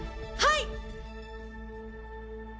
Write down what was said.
はい！